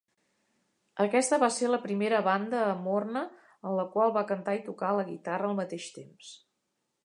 Aquesta va ser la primera banda amb Horne en la qual va cantar i tocar la guitarra al mateix temps.